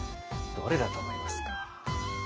どれだと思いますか？